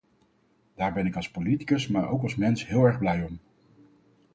Daar ben ik als politicus maar ook als mens heel erg blij om!